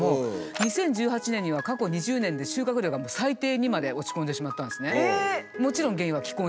２０１８年には過去２０年で収穫量が最低にまで落ち込んでしまったんですね。